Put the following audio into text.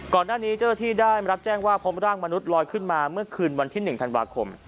ก่อนหน้านี้เจ้าหน้าที่ได้มันรับแจ้งว่าพร้อมร่างมนุษย์ลอยขึ้นมาเมื่อคืนวันที่๑ธันวาคม